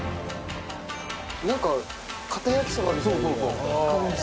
なんかかた焼きそばみたいな感じ。